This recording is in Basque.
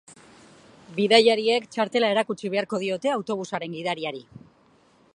Bidaiariek txartela erakutsi beharko diote autobusaren gidariari.